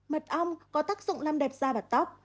mật ong có tác dụng làm đẹp da và tóc